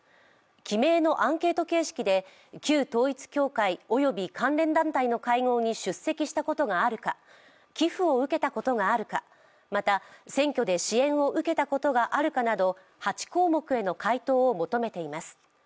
記名のアンケート形式で旧統一教会及び関連団体の会合に出席したことがあるか、寄付を受けたことがあるか、また選挙で支援を受けたことがあるかなど８国目への回答を求めています。